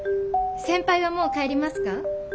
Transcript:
先輩はもう帰りますか？